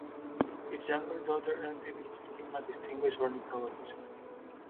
His younger daughter Elsie Leach became a distinguished ornithologist.